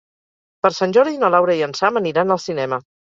Per Sant Jordi na Laura i en Sam aniran al cinema.